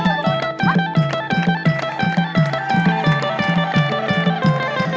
โอ้โฮ